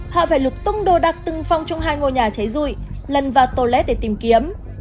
họ phải lục tung đồ đặc từng phong trong hai ngôi nhà cháy rụi lần vào toilet để tìm kiếm